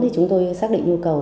chúng tôi xác định nhu cầu